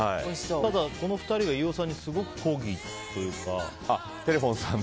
ただ、この２人が飯尾さんにすごく抗議というか。